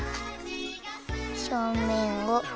ひょうめんを。